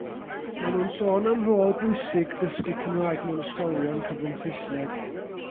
Mae nhw'n sôn am rôl bwysig dysgu Cymraeg mewn ysgolion cyfrwng Saesneg.